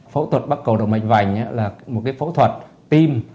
phẫu thuật bắt cầu động mạch vành là một phẫu thuật tim